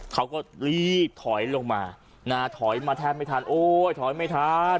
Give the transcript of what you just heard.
เขาก็ทอยลงมาทอยมาแทบไม่ทันโอ้ยทอยไม่ทัน